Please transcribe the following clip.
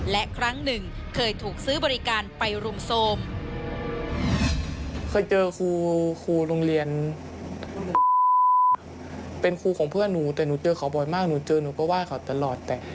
และครั้งหนึ่งเคยถูกซื้อบริการไปรุมโทรม